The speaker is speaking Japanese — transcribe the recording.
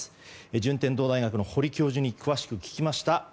順天堂大学の堀教授に詳しく聞きました。